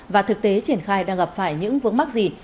và thực tế triển khai đang gặp phải những vướng mắc gì